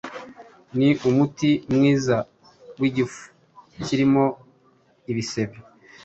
ni umuti mwiza w’igifu kirimo ibisebe